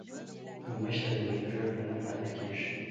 که مشر وي نو پریکړه نه پاتې کیږي.